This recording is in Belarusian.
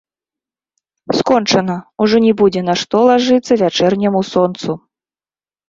Скончана, ужо не будзе на што лажыцца вячэрняму сонцу.